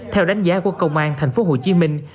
theo đánh giá của công an thành phố hồ chí minh